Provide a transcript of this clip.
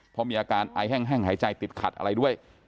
เพราะมีอาการไอแห้งหายใจติดขัดอะไรด้วย